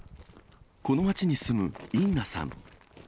この街に住むインナさん。